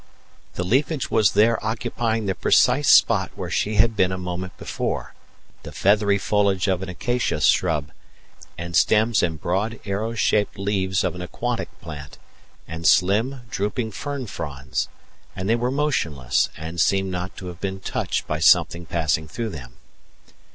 The leafage was there occupying the precise spot where she had been a moment before the feathery foliage of an acacia shrub, and stems and broad, arrow shaped leaves of an aquatic plant, and slim, drooping fern fronds, and they were motionless and seemed not to have been touched by something passing through them.